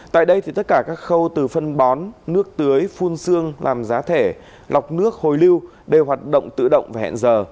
tại đây tất cả các khâu từ phân bón nước tưới phun xương làm giá thể lọc nước hồi lưu đều hoạt động tự động và hẹn giờ